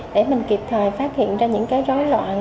để mình kịp thời phát hiện ra những cái rối loạn